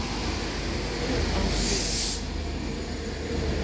郡安路